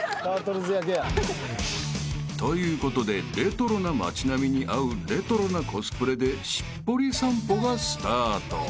［ということでレトロな町並みに合うレトロなコスプレでしっぽり散歩がスタート］